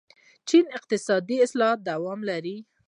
چین اقتصادي اصلاحات دوام لري.